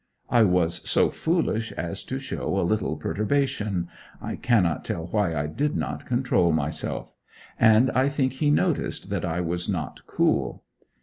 I was so foolish as to show a little perturbation I cannot tell why I did not control myself; and I think he noticed that I was not cool.